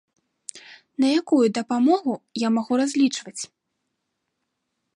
На якую дапамогу я магу разлічваць?